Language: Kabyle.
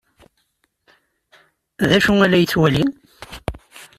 D acu ay la yettwali?